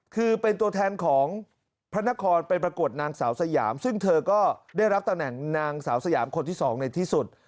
คือเป็นตัวแทนของพระนครไปประกวดนางสาวสยามซึ่งเธอก็ได้รับตำแหน่งนางสาวสยามคนที่สองในที่สุด